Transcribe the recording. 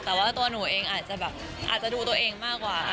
แต่ว่าตัวหนูเองอาจจะแบบอาจจะดูตัวเองมากกว่า